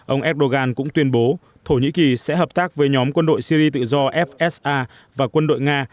ông erdogan cũng tuyên bố thổ nhĩ kỳ sẽ hợp tác với nhóm quân đội syri tự do fsa và quân đội nga